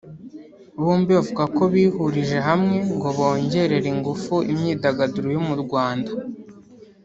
bombi bavuga ko bihurije hamwe ngo bongerere ingufu imyidagaduro yo mu Rwanda